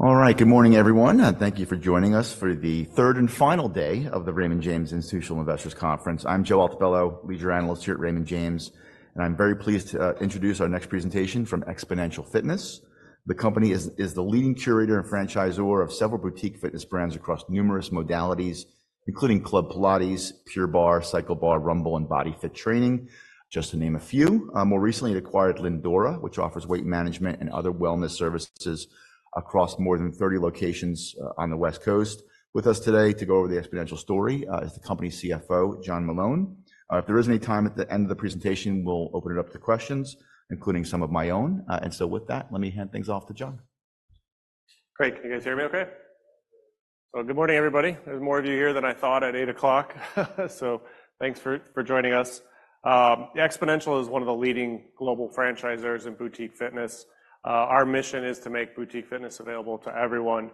All right, good morning everyone. Thank you for joining us for the 3rd and final day of the Raymond James Institutional Investors Conference. I'm Joe Altobello, Leisure Analyst here at Raymond James, and I'm very pleased to introduce our next presentation from Xponential Fitness. The company is the leading curator and franchisor of several boutique fitness brands across numerous modalities, including Club Pilates, Pure Barre, CycleBar, Rumble, and Body Fit Training, just to name a few. More recently, it acquired Lindora, which offers weight management and other wellness services across more than 30 locations on the West Coast. With us today to go over the Xponential story is the company CFO, John Meloun. If there is any time at the end of the presentation, we'll open it up to questions, including some of my own. And so with that, let me hand things off to John. Great. Can you guys hear me okay? So good morning everybody. There's more of you here than I thought at 8:00 A.M., so thanks for joining us. Xponential is one of the leading global franchisors in boutique fitness. Our mission is to make boutique fitness available to everyone.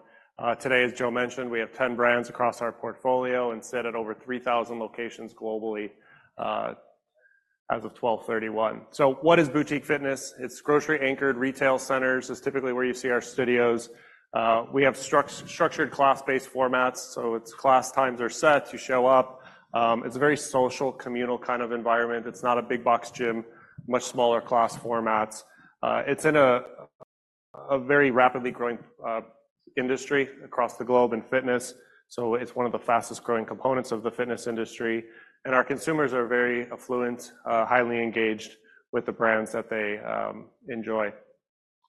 Today, as Joe mentioned, we have 10 brands across our portfolio and sit at over 3,000 locations globally as of 12/31. So what is boutique fitness? It's grocery-anchored retail centers. It's typically where you see our studios. We have structured class-based formats, so it's class times are set, you show up. It's a very social, communal kind of environment. It's not a big-box gym, much smaller class formats. It's in a very rapidly growing industry across the globe in fitness, so it's one of the fastest-growing components of the fitness industry. Our consumers are very affluent, highly engaged with the brands that they enjoy.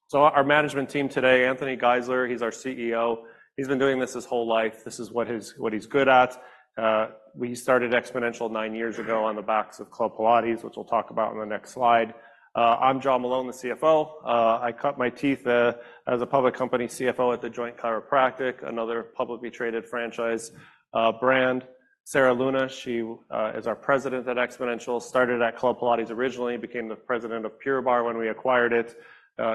So our management team today, Anthony Geisler, he's our CEO. He's been doing this his whole life. This is what he's good at. He started Xponential nine years ago on the backs of Club Pilates, which we'll talk about in the next slide. I'm John Meloun, the CFO. I cut my teeth as a public company CFO at The Joint Chiropractic, another publicly traded franchise brand. Sarah Luna, she is our president at Xponential. Started at Club Pilates originally, became the president of Pure Barre when we acquired it,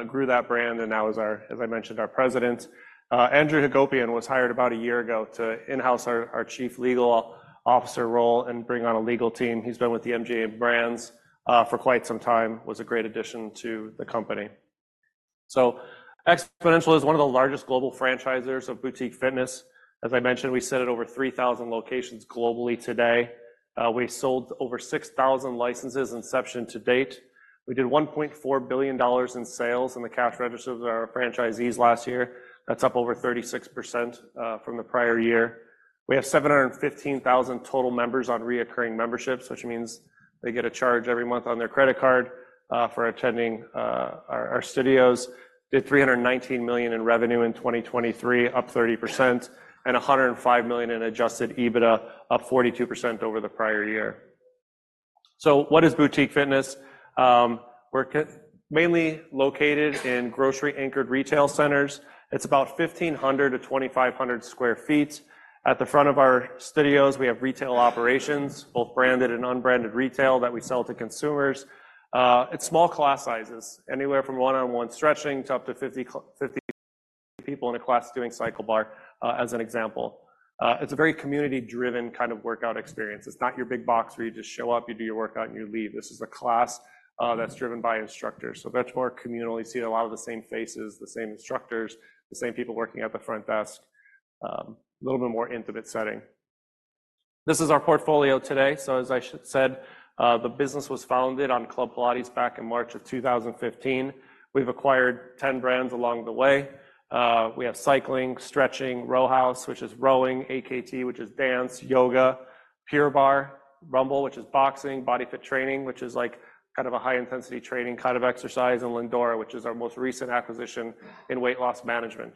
grew that brand, and now is, as I mentioned, our president. Andrew Hagopian was hired about a year ago to in-house our chief legal officer role and bring on a legal team. He's been with the MGM Resorts for quite some time. Was a great addition to the company. So Xponential is one of the largest global franchisors of boutique fitness. As I mentioned, we sit at over 3,000 locations globally today. We sold over 6,000 licenses inception to date. We did $1.4 billion in sales in the cash registers of our franchisees last year. That's up over 36% from the prior year. We have 715,000 total members on recurring memberships, which means they get a charge every month on their credit card for attending our studios. Did $319 million in revenue in 2023, up 30%, and $105 million in Adjusted EBITDA, up 42% over the prior year. So what is boutique fitness? We're mainly located in grocery-anchored retail centers. It's about 1,500-2,500 square feet. At the front of our studios, we have retail operations, both branded and unbranded retail that we sell to consumers. It's small class sizes, anywhere from one-on-one stretching to up to 50 people in a class doing CycleBar, as an example. It's a very community-driven kind of workout experience. It's not your big-box gym where you just show up, you do your workout, and you leave. This is a class that's driven by instructors. So that's more communal. You see a lot of the same faces, the same instructors, the same people working at the front desk. A little bit more intimate setting. This is our portfolio today. So as I said, the business was founded on Club Pilates back in March of 2015. We've acquired 10 brands along the way. We have cycling, stretching, Row House, which is rowing, AKT, which is dance, yoga, Pure Barre, Rumble, which is boxing, Body Fit Training, which is like kind of a high-intensity training kind of exercise, and Lindora, which is our most recent acquisition in weight loss management.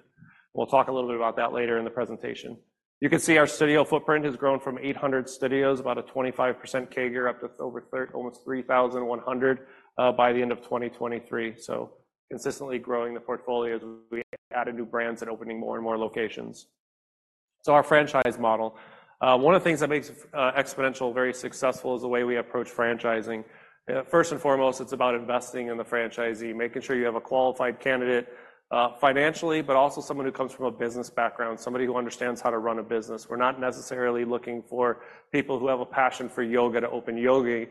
We'll talk a little bit about that later in the presentation. You can see our studio footprint has grown from 800 studios, about a 25% CAGR, up to almost 3,100 by the end of 2023. So consistently growing the portfolio as we added new brands and opening more and more locations. So our franchise model. One of the things that makes Xponential very successful is the way we approach franchising. First and foremost, it's about investing in the franchisee, making sure you have a qualified candidate financially, but also someone who comes from a business background, somebody who understands how to run a business. We're not necessarily looking for people who have a passion for yoga to open yoga.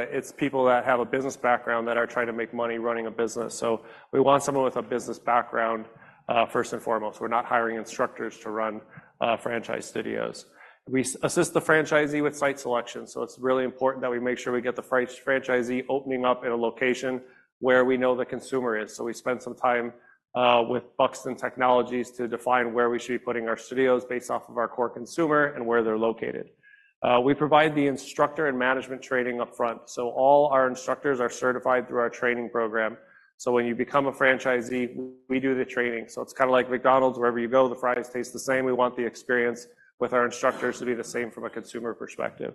It's people that have a business background that are trying to make money running a business. So we want someone with a business background first and foremost. We're not hiring instructors to run franchise studios. We assist the franchisee with site selection. So it's really important that we make sure we get the franchisee opening up in a location where we know the consumer is. So we spend some time with Buxton Technologies to define where we should be putting our studios based off of our core consumer and where they're located. We provide the instructor and management training upfront. So all our instructors are certified through our training program. So when you become a franchisee, we do the training. So it's kind of like McDonald's, wherever you go, the fries taste the same. We want the experience with our instructors to be the same from a consumer perspective.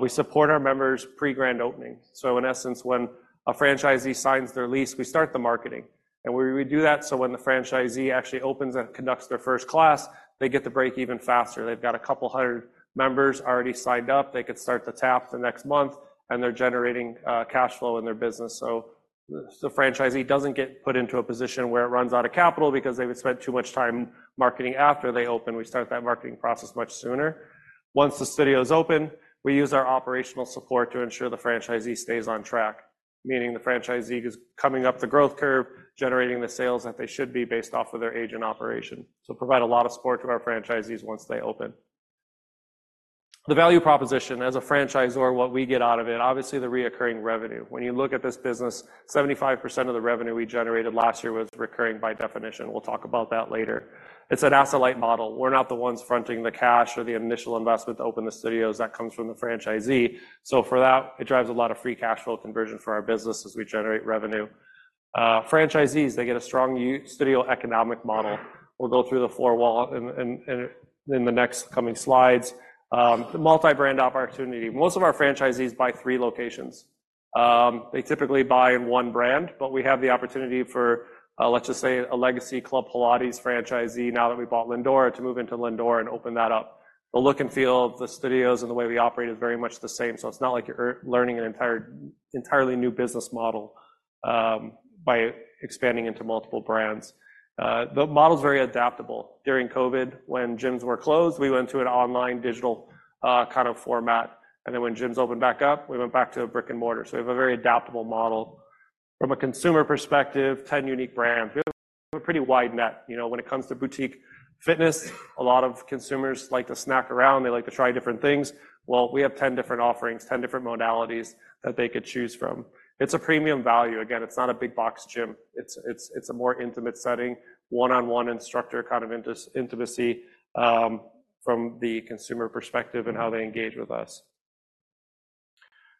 We support our members pre-grand opening. So in essence, when a franchisee signs their lease, we start the marketing. We do that so when the franchisee actually opens and conducts their first class, they get the breakeven faster. They've got a couple hundred members already signed up. They could start to tap the next month, and they're generating cash flow in their business. The franchisee doesn't get put into a position where it runs out of capital because they've spent too much time marketing after they open. We start that marketing process much sooner. Once the studio is open, we use our operational support to ensure the franchisee stays on track, meaning the franchisee is coming up the growth curve, generating the sales that they should be based off of their age and operation. So provide a lot of support to our franchisees once they open. The value proposition as a franchisor, what we get out of it, obviously the recurring revenue. When you look at this business, 75% of the revenue we generated last year was recurring by definition. We'll talk about that later. It's an asset-light model. We're not the ones fronting the cash or the initial investment to open the studios. That comes from the franchisee. So for that, it drives a lot of Free Cash Flow conversion for our business as we generate revenue. Franchisees, they get a strong studio economic model. We'll go through the four walls in the next coming slides. The multi-brand opportunity. Most of our franchisees buy three locations. They typically buy in one brand, but we have the opportunity for, let's just say, a legacy Club Pilates franchisee now that we bought Lindora to move into Lindora and open that up. The look and feel of the studios and the way we operate is very much the same. So it's not like you're learning an entirely new business model by expanding into multiple brands. The model's very adaptable. During COVID, when gyms were closed, we went to an online digital kind of format. And then when gyms opened back up, we went back to brick and mortar. So we have a very adaptable model. From a consumer perspective, 10 unique brands. We have a pretty wide net. When it comes to boutique fitness, a lot of consumers like to snack around. They like to try different things. Well, we have 10 different offerings, 10 different modalities that they could choose from. It's a premium value. Again, it's not a big-box gym. It's a more intimate setting, one-on-one instructor kind of intimacy from the consumer perspective and how they engage with us.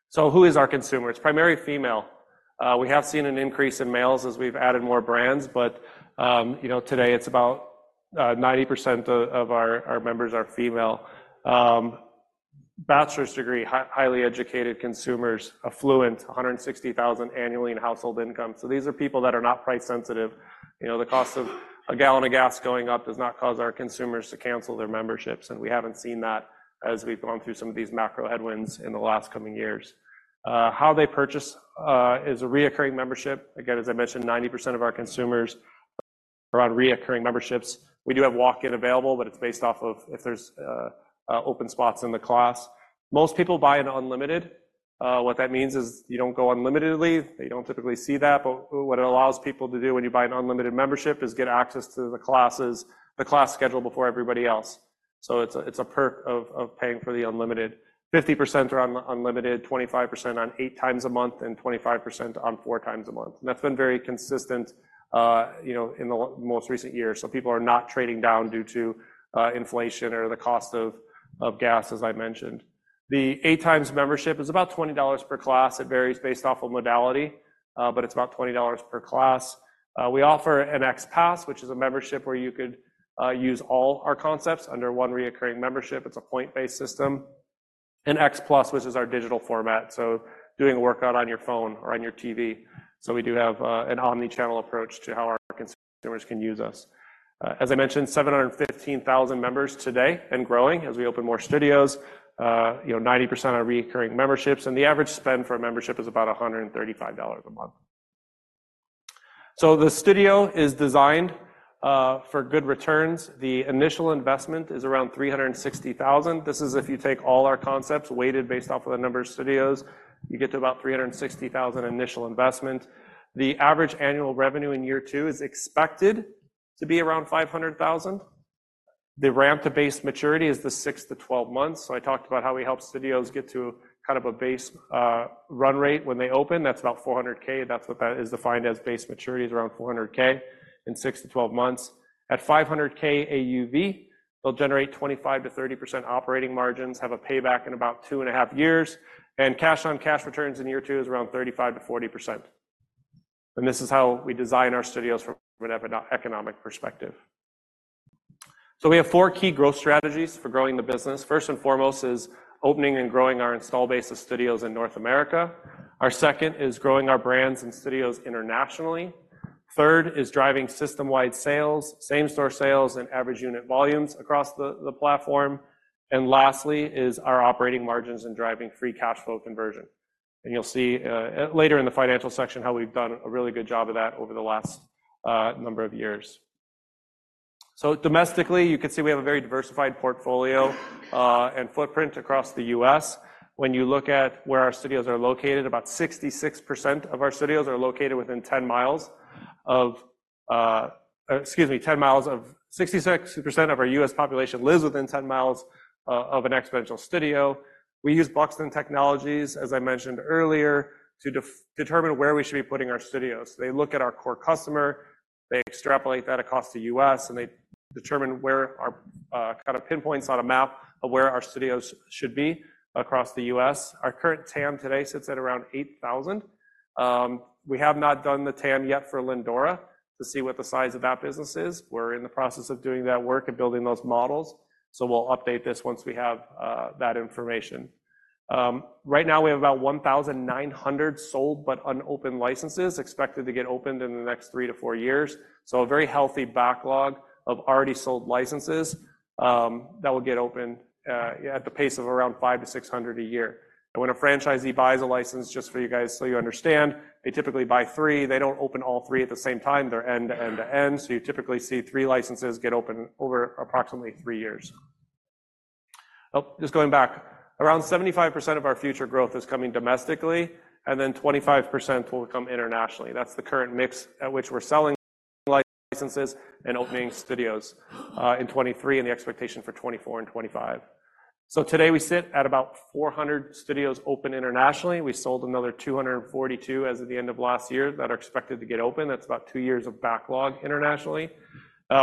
So who is our consumer? It's primarily female. We have seen an increase in males as we've added more brands, but today it's about 90% of our members are female. Bachelor's degree, highly educated consumers, affluent, $160,000 annually in household income. So these are people that are not price sensitive. The cost of a gallon of gas going up does not cause our consumers to cancel their memberships, and we haven't seen that as we've gone through some of these macro headwinds in the last coming years. How they purchase is a recurring membership. Again, as I mentioned, 90% of our consumers are on recurring memberships. We do have walk-in available, but it's based off of if there's open spots in the class. Most people buy an unlimited. What that means is you don't go unlimited. They don't typically see that, but what it allows people to do when you buy an unlimited membership is get access to the classes, the class schedule before everybody else. So it's a perk of paying for the unlimited. 50% are on unlimited, 25% on eight times a month, and 25% on four times a month. That's been very consistent in the most recent years. So people are not trading down due to inflation or the cost of gas, as I mentioned. The eight times membership is about $20 per class. It varies based off of modality, but it's about $20 per class. We offer an XPASS, which is a membership where you could use all our concepts under one recurring membership. It's a point-based system. And XPLUS, which is our digital format. So doing a workout on your phone or on your TV. So we do have an omnichannel approach to how our consumers can use us. As I mentioned, 715,000 members today and growing as we open more studios. 90% are recurring memberships. And the average spend for a membership is about $135 a month. So the studio is designed for good returns. The initial investment is around $360,000. This is if you take all our concepts weighted based off of the number of studios. You get to about $360,000 initial investment. The average annual revenue in year two is expected to be around $500,000. The ramp-to-base maturity is the six to 12 months. I talked about how we help studios get to kind of a base run rate when they open. That's about $400,000. That's what that is defined as. Base maturity is around $400,000 in six to 12 months. At $500,000 AUV, they'll generate 25%-30% operating margins, have a payback in about two and a half years. Cash-on-cash returns in year two is around 35%-40%. This is how we design our studios from an economic perspective. We have four key growth strategies for growing the business. First and foremost is opening and growing our installed base of studios in North America. Our second is growing our brands and studios internationally. Third is driving system-wide sales, same-store sales, and average unit volumes across the platform. And lastly is our operating margins and driving Free Cash Flow conversion. And you'll see later in the financial section how we've done a really good job of that over the last number of years. So domestically, you could see we have a very diversified portfolio and footprint across the U.S. When you look at where our studios are located, about 66% of our studios are located within 10 miles of excuse me, 10 miles of 66% of our U.S. population lives within 10 miles of a Xponential studio. We use Buxton Technologies, as I mentioned earlier, to determine where we should be putting our studios. They look at our core customer. They extrapolate that across the U.S., and they determine where our kind of pinpoints on a map of where our studios should be across the U.S. Our current TAM today sits at around 8,000. We have not done the TAM yet for Lindora to see what the size of that business is. We're in the process of doing that work and building those models. So we'll update this once we have that information. Right now, we have about 1,900 sold but unopened licenses expected to get opened in the next three-four years. So a very healthy backlog of already sold licenses that will get opened at the pace of around 500-600 a year. When a franchisee buys a license, just for you guys so you understand, they typically buy three. They don't open all three at the same time. They're end to end to end. So you typically see three licenses get opened over approximately three years. Oh, just going back. Around 75% of our future growth is coming domestically, and then 25% will come internationally. That's the current mix at which we're selling licenses and opening studios in 2023 and the expectation for 2024 and 2025. So today we sit at about 400 studios open internationally. We sold another 242 as of the end of last year that are expected to get open. That's about two years of backlog internationally.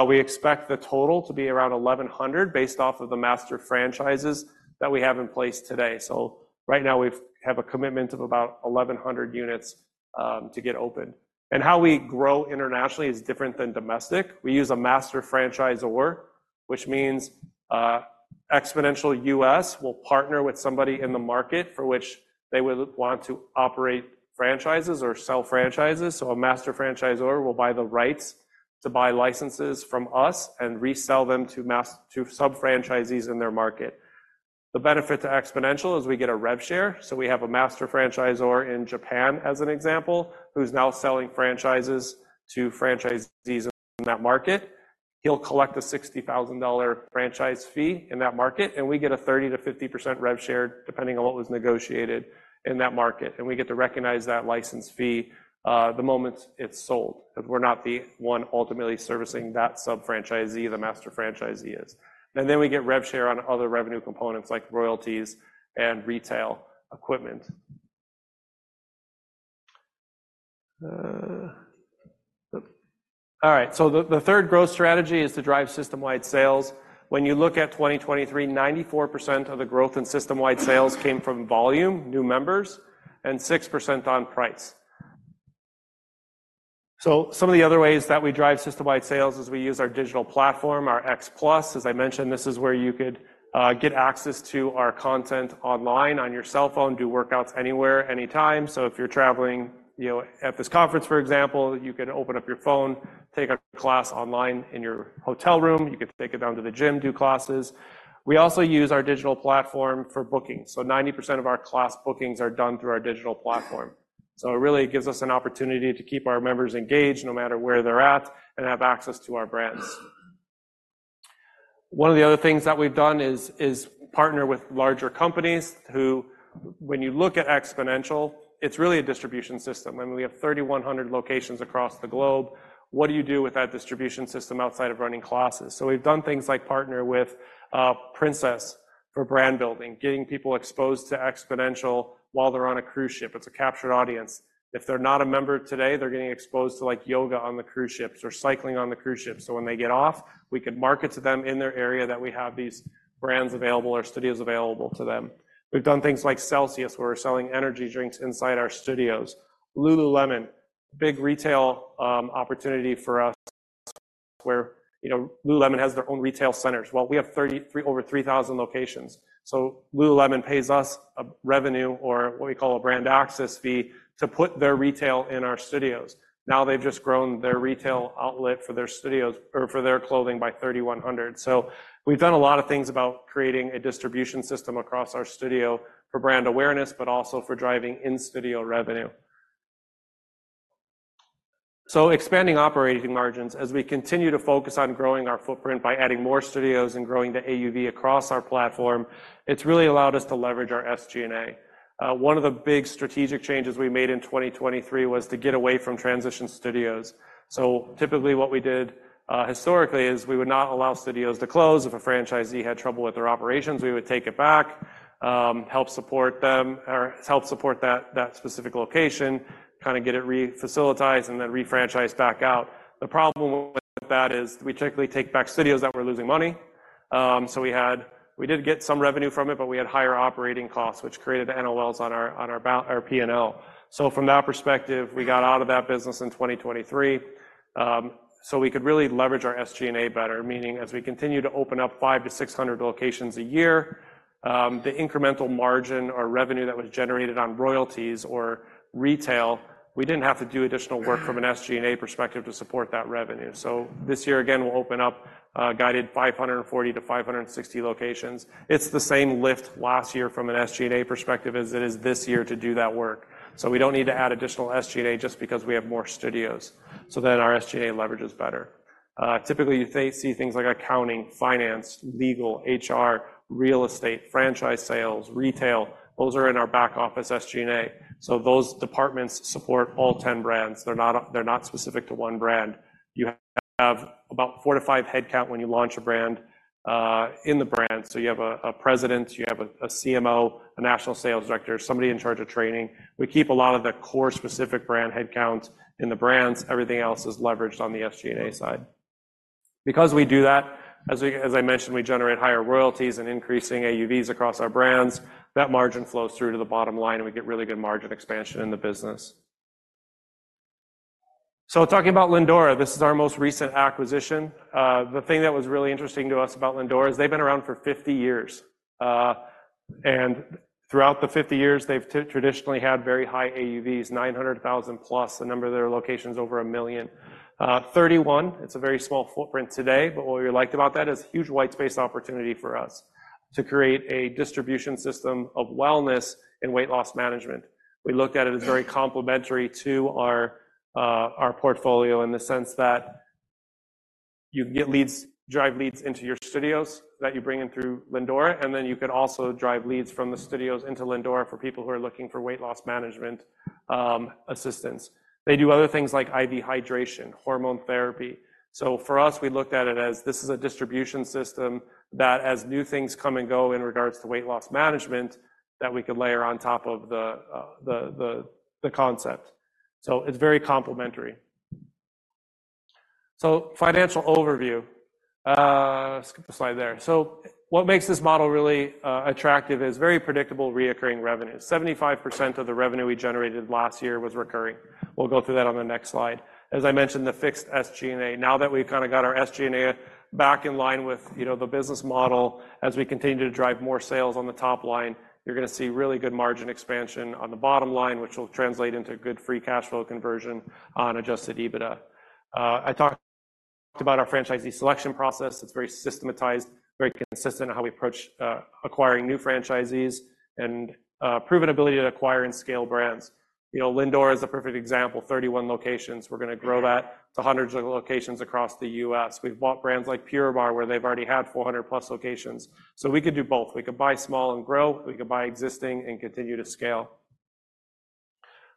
We expect the total to be around 1,100 based off of the master franchises that we have in place today. So right now, we have a commitment of about 1,100 units to get open. And how we grow internationally is different than domestic. We use a master franchisor, which means Xponential U.S. will partner with somebody in the market for which they would want to operate franchises or sell franchises. So a master franchisor will buy the rights to buy licenses from us and resell them to sub-franchisees in their market. The benefit to Xponential is we get a rev share. So we have a master franchisor in Japan, as an example, who's now selling franchises to franchisees in that market. He'll collect a $60,000 franchise fee in that market, and we get a 30%-50% rev share depending on what was negotiated in that market. And we get to recognize that license fee the moment it's sold because we're not the one ultimately servicing that sub-franchisee, the master franchisee is. And then we get rev share on other revenue components like royalties and retail equipment. All right. So the third growth strategy is to drive system-wide sales. When you look at 2023, 94% of the growth in system-wide sales came from volume, new members, and 6% on price. So some of the other ways that we drive system-wide sales is we use our digital platform, our XPLUS. As I mentioned, this is where you could get access to our content online on your cell phone, do workouts anywhere, anytime. So if you're traveling at this conference, for example, you can open up your phone, take a class online in your hotel room. You could take it down to the gym, do classes. We also use our digital platform for bookings. So 90% of our class bookings are done through our digital platform. So it really gives us an opportunity to keep our members engaged no matter where they're at and have access to our brands. One of the other things that we've done is partner with larger companies who, when you look at Xponential, it's really a distribution system. I mean, we have 3,100 locations across the globe. What do you do with that distribution system outside of running classes? So we've done things like partner with Princess for brand building, getting people exposed to Xponential while they're on a cruise ship. It's a captured audience. If they're not a member today, they're getting exposed to yoga on the cruise ships or cycling on the cruise ships. So when they get off, we could market to them in their area that we have these brands available or studios available to them. We've done things like Celsius where we're selling energy drinks inside our studios. Lululemon, big retail opportunity for us where Lululemon has their own retail centers. Well, we have over 3,000 locations. Lululemon pays us a revenue or what we call a brand access fee to put their retail in our studios. Now they've just grown their retail outlet for their studios or for their clothing by 3,100. We've done a lot of things about creating a distribution system across our studio for brand awareness, but also for driving in-studio revenue. So expanding operating margins, as we continue to focus on growing our footprint by adding more studios and growing the AUV across our platform, it's really allowed us to leverage our SG&A. One of the big strategic changes we made in 2023 was to get away from transition studios. Typically what we did historically is we would not allow studios to close. If a franchisee had trouble with their operations, we would take it back, help support them or help support that specific location, kind of get it restabilized and then refranchised back out. The problem with that is we typically take back studios that were losing money. So we did get some revenue from it, but we had higher operating costs, which created NOLs on our P&L. So from that perspective, we got out of that business in 2023. So we could really leverage our SG&A better, meaning as we continue to open up five to 600 locations a year, the incremental margin or revenue that was generated on royalties or retail, we didn't have to do additional work from an SG&A perspective to support that revenue. So this year again, we'll open up guided 540-560 locations. It's the same lift last year from an SG&A perspective as it is this year to do that work. So we don't need to add additional SG&A just because we have more studios. So then our SG&A leverages better. Typically, you see things like accounting, finance, legal, HR, real estate, franchise sales, retail. Those are in our back office SG&A. So those departments support all 10 brands. They're not specific to one brand. You have about four to five headcount when you launch a brand in the brand. So you have a president, you have a CMO, a national sales director, somebody in charge of training. We keep a lot of the core specific brand headcounts in the brands. Everything else is leveraged on the SG&A side. Because we do that, as I mentioned, we generate higher royalties and increasing AUVs across our brands. That margin flows through to the bottom line and we get really good margin expansion in the business. So talking about Lindora, this is our most recent acquisition. The thing that was really interesting to us about Lindora is they've been around for 50 years. And throughout the 50 years, they've traditionally had very high AUVs, $900,000+, the number of their locations over $1 million. 31, it's a very small footprint today, but what we liked about that is huge white space opportunity for us to create a distribution system of wellness and weight loss management. We looked at it as very complementary to our portfolio in the sense that you drive leads into your studios that you bring in through Lindora, and then you could also drive leads from the studios into Lindora for people who are looking for weight loss management assistance. They do other things like IV hydration, hormone therapy. So for us, we looked at it as this is a distribution system that as new things come and go in regards to weight loss management, that we could layer on top of the concept. So it's very complementary. So financial overview. Skip the slide there. So what makes this model really attractive is very predictable recurring revenue. 75% of the revenue we generated last year was recurring. We'll go through that on the next slide. As I mentioned, the fixed SG&A. Now that we've kind of got our SG&A back in line with the business model, as we continue to drive more sales on the top line, you're going to see really good margin expansion on the bottom line, which will translate into good Free Cash Flow conversion on adjusted EBITDA. I talked about our franchisee selection process. It's very systematized, very consistent in how we approach acquiring new franchisees and proven ability to acquire and scale brands. Lindora is a perfect example. 31 locations. We're going to grow that to hundreds of locations across the U.S. We've bought brands like Pure Barre where they've already had 400+ locations. So we could do both. We could buy small and grow. We could buy existing and continue to scale.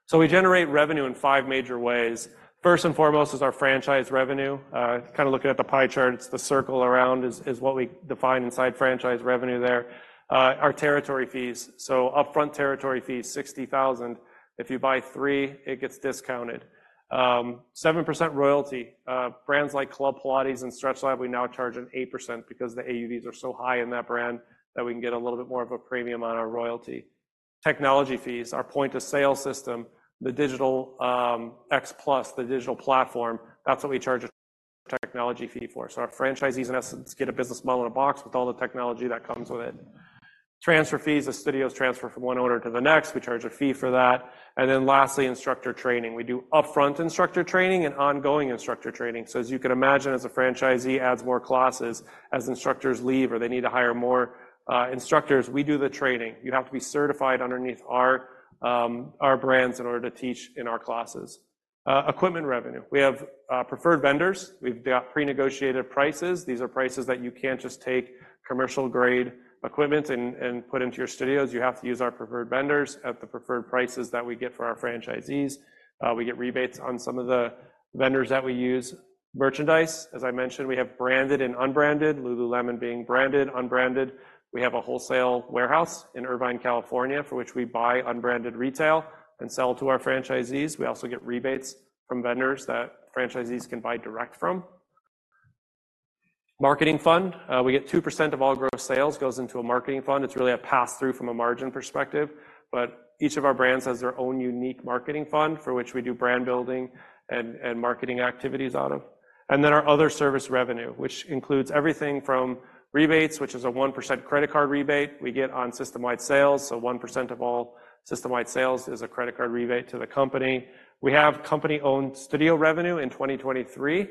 So we generate revenue in five major ways. First and foremost is our franchise revenue. Kind of looking at the pie chart, it's the circle around is what we define inside franchise revenue there. Our territory fees. So upfront territory fees, $60,000. If you buy three, it gets discounted. 7% royalty. Brands like Club Pilates and StretchLab, we now charge an 8% because the AUVs are so high in that brand that we can get a little bit more of a premium on our royalty. Technology fees. Our point of sale system, the digital XPLUS, the digital platform, that's what we charge a technology fee for. So our franchisees, in essence, get a business model in a box with all the technology that comes with it. Transfer fees. The studios transfer from one owner to the next. We charge a fee for that. And then lastly, instructor training. We do upfront instructor training and ongoing instructor training. So as you can imagine, as a franchisee adds more classes, as instructors leave or they need to hire more instructors, we do the training. You have to be certified underneath our brands in order to teach in our classes. Equipment revenue. We have preferred vendors. We've got pre-negotiated prices. These are prices that you can't just take commercial-grade equipment and put into your studios. You have to use our preferred vendors at the preferred prices that we get for our franchisees. We get rebates on some of the vendors that we use. Merchandise. As I mentioned, we have branded and unbranded, lululemon being branded, unbranded. We have a wholesale warehouse in Irvine, California, for which we buy unbranded retail and sell to our franchisees. We also get rebates from vendors that franchisees can buy direct from. Marketing fund. We get 2% of all gross sales goes into a marketing fund. It's really a pass-through from a margin perspective. But each of our brands has their own unique marketing fund for which we do brand building and marketing activities out of. Then our other service revenue, which includes everything from rebates, which is a 1% credit card rebate we get on system-wide sales. 1% of all system-wide sales is a credit card rebate to the company. We have company-owned studio revenue in 2023.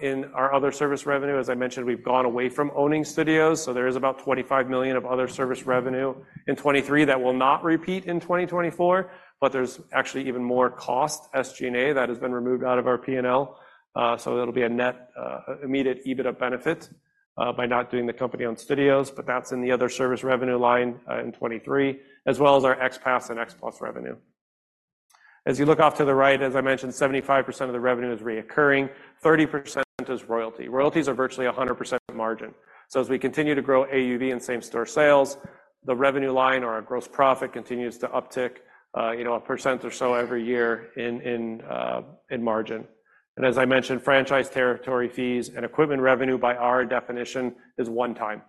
In our other service revenue, as I mentioned, we've gone away from owning studios. There is about $25 million of other service revenue in 2023 that will not repeat in 2024. There's actually even more cost SG&A that has been removed out of our P&L. It'll be a net immediate EBITDA benefit by not doing the company-owned studios. That's in the other service revenue line in 2023, as well as our X Pass and X Plus revenue. As you look off to the right, as I mentioned, 75% of the revenue is recurring. 30% is royalty. Royalties are virtually 100% margin. So as we continue to grow AUV and same-store sales, the revenue line or our gross profit continues to uptick 1% or so every year in margin. And as I mentioned, franchise territory fees and equipment revenue by our definition is one-time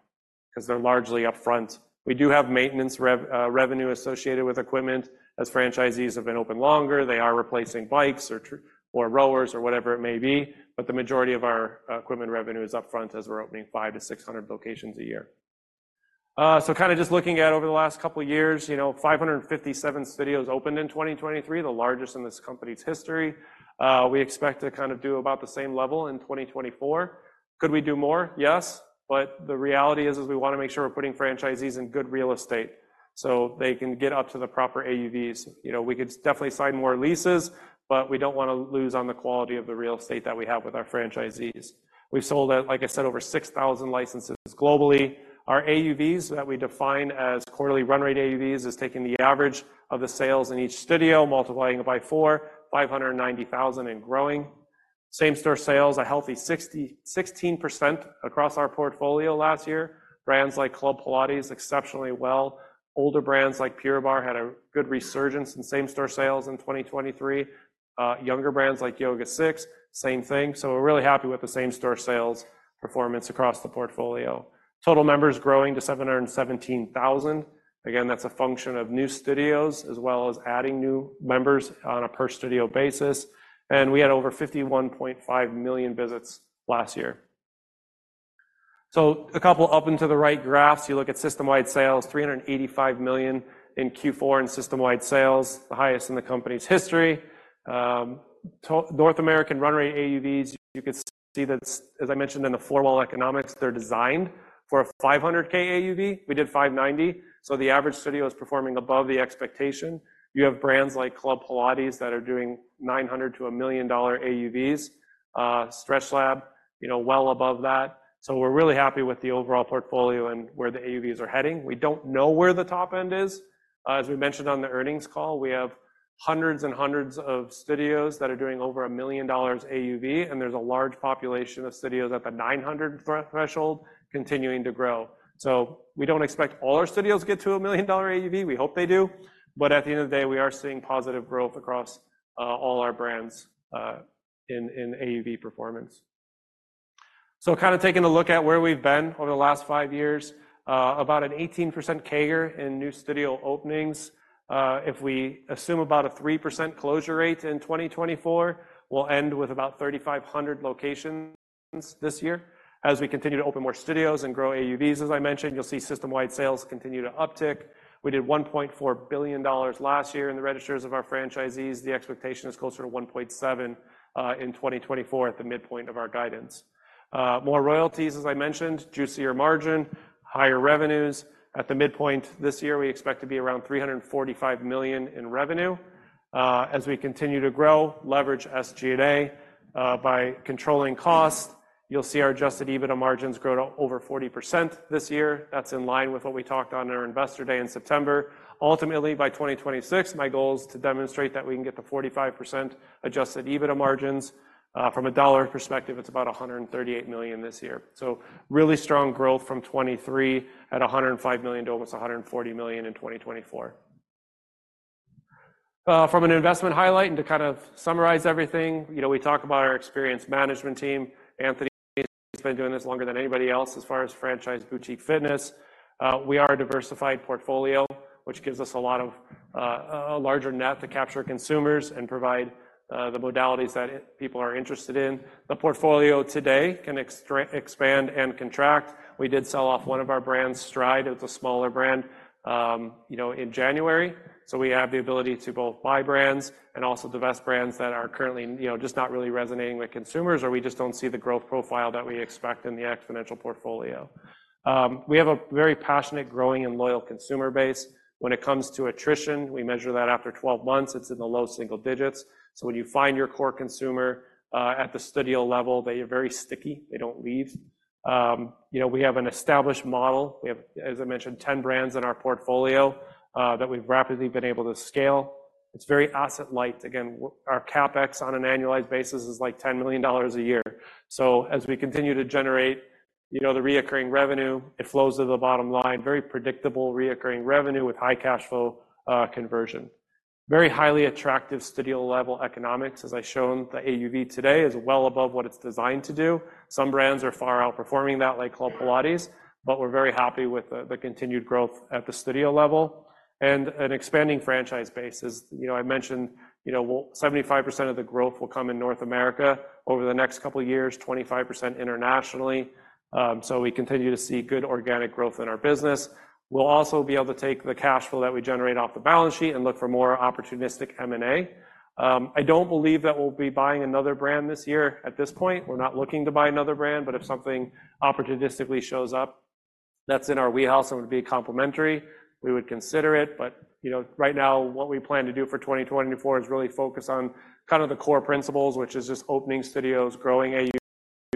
because they're largely upfront. We do have maintenance revenue associated with equipment. As franchisees have been open longer, they are replacing bikes or rowers or whatever it may be. But the majority of our equipment revenue is upfront as we're opening five to 600 locations a year. So kind of just looking at over the last couple of years, 557 studios opened in 2023, the largest in this company's history. We expect to kind of do about the same level in 2024. Could we do more? Yes. But the reality is, is we want to make sure we're putting franchisees in good real estate so they can get up to the proper AUVs. We could definitely sign more leases, but we don't want to lose on the quality of the real estate that we have with our franchisees. We've sold, like I said, over 6,000 licenses globally. Our AUVs that we define as quarterly run rate AUVs is taking the average of the sales in each studio, multiplying it by four, $590,000 and growing. Same-store sales, a healthy 16% across our portfolio last year. Brands like Club Pilates, exceptionally well. Older brands like Pure Barre had a good resurgence in same-store sales in 2023. Younger brands like YogaSix, same thing. So we're really happy with the same-store sales performance across the portfolio. Total members growing to 717,000. Again, that's a function of new studios as well as adding new members on a per-studio basis. And we had over 51.5 million visits last year. So a couple up into the right graphs, you look at system-wide sales, $385 million in Q4 in system-wide sales, the highest in the company's history. North American run rate AUVs, you could see that, as I mentioned in the four-wall economics, they're designed for a $500K AUV. We did $590. So the average studio is performing above the expectation. You have brands like Club Pilates that are doing $900,000-$1 million AUVs. StretchLab, well above that. So we're really happy with the overall portfolio and where the AUVs are heading. We don't know where the top end is. As we mentioned on the earnings call, we have hundreds and hundreds of studios that are doing over $1 million AUV, and there's a large population of studios at the $900,000 threshold continuing to grow. So we don't expect all our studios to get to a $1 million AUV. We hope they do. But at the end of the day, we are seeing positive growth across all our brands in AUV performance. So kind of taking a look at where we've been over the last five years, about an 18% CAGR in new studio openings. If we assume about a 3% closure rate in 2024, we'll end with about 3,500 locations this year. As we continue to open more studios and grow AUVs, as I mentioned, you'll see system-wide sales continue to uptick. We did $1.4 billion last year in the registers of our franchisees. The expectation is closer to 1.7 in 2024 at the midpoint of our guidance. More royalties, as I mentioned, juicier margin, higher revenues. At the midpoint this year, we expect to be around $345 million in revenue. As we continue to grow, leverage SG&A by controlling cost. You'll see our Adjusted EBITDA margins grow to over 40% this year. That's in line with what we talked on our investor day in September. Ultimately, by 2026, my goal is to demonstrate that we can get to 45% Adjusted EBITDA margins. From a dollar perspective, it's about $138 million this year. So really strong growth from 2023 at $105 million to almost $140 million in 2024. From an investment highlight and to kind of summarize everything, we talk about our experienced management team. Anthony's been doing this longer than anybody else as far as franchise boutique fitness. We are a diversified portfolio, which gives us a lot of a larger net to capture consumers and provide the modalities that people are interested in. The portfolio today can expand and contract. We did sell off one of our brands, Stride. It was a smaller brand in January. So we have the ability to both buy brands and also divest brands that are currently just not really resonating with consumers or we just don't see the growth profile that we expect in the Xponential portfolio. We have a very passionate, growing, and loyal consumer base. When it comes to attrition, we measure that after 12 months. It's in the low single digits. So when you find your core consumer at the studio level, they are very sticky. They don't leave. We have an established model. We have, as I mentioned, 10 brands in our portfolio that we've rapidly been able to scale. It's very asset-light. Again, our CapEx on an annualized basis is like $10 million a year. So as we continue to generate the recurring revenue, it flows to the bottom line. Very predictable recurring revenue with high cash flow conversion. Very highly attractive studio-level economics. As I've shown, the AUV today is well above what it's designed to do. Some brands are far outperforming that, like Club Pilates, but we're very happy with the continued growth at the studio level. And an expanding franchise base. I mentioned 75% of the growth will come in North America over the next couple of years, 25% internationally. So we continue to see good organic growth in our business. We'll also be able to take the cash flow that we generate off the balance sheet and look for more opportunistic M&A. I don't believe that we'll be buying another brand this year at this point. We're not looking to buy another brand, but if something opportunistically shows up, that's in our wheelhouse and would be complementary. We would consider it, but right now, what we plan to do for 2024 is really focus on kind of the core principles, which is just opening studios, growing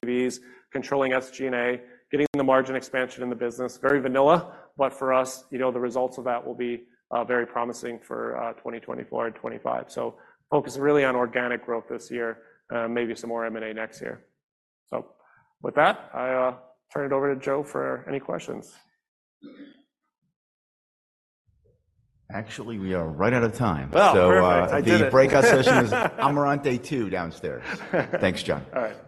AUVs, controlling SG&A, getting the margin expansion in the business. Very vanilla, but for us, the results of that will be very promising for 2024 and 2025. So focus really on organic growth this year, maybe some more M&A next year. So with that, I turn it over to Joe for any questions. Actually, we are right out of time. The breakout session is Amarante two downstairs. Thanks, John. All right.